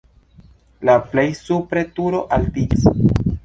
La plej supre turo altiĝas.